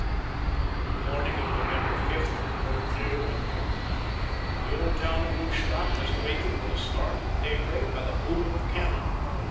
The morning of November 5 broke clear and cold. The old town of Lustadt was awakened with a start at daybreak by the booming of cannon.